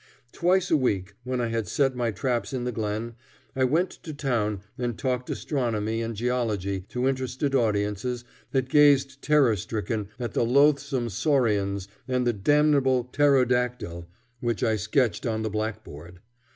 Twice a week, when I had set my traps in the glen, I went to town and talked astronomy and geology to interested audiences that gazed terror stricken at the loathsome saurians and the damnable pterodactyl which I sketched on the blackboard.